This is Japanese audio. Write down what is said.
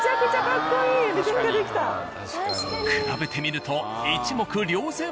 比べてみると一目瞭然。